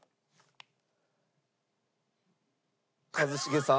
一茂さん。